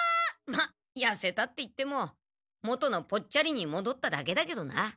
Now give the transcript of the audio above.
まっやせたっていっても元のポッチャリにもどっただけだけどな。